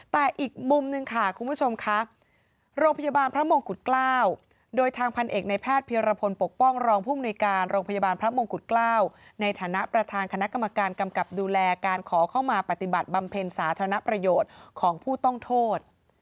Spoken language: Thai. แต่อีกมุมหนึ่งค่ะคุณผู้ชมค่ะโรงพยาบาลพระมงกุฎเกล้าโดยทางพันเอกในแพทย์เพียรพลปกป้องรองผู้มนุยการโรงพยาบาลพระมงกุฎเกล้าในฐานะประธานคณะกรรมการกำกับดูแลการขอเข้ามาปฏิบัติบำเพ็ญสาธารณประโยชน์ของผู้ต้องโทษ